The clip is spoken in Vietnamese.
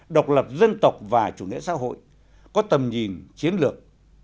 độc lập dân tộc và chủ nghĩa xã hội có tầm nhìn chiến lược